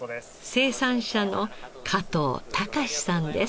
生産者の加藤高志さんです。